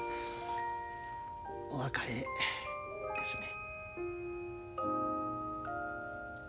お別れですね。